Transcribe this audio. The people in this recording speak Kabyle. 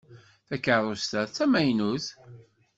Takeṛṛust-a d tamaynutt.